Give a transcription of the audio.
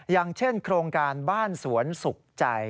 อย่างเช่นโครงการบ้านสวนสุขใจ